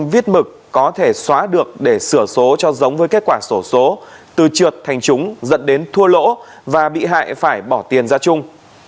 viết mực có thể xóa được để sửa số cho giống với kết quả sổ số từ trượt thành chúng dẫn đến thua lỗ và bị hại phải bỏ tiền ra chung